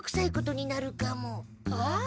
ああ！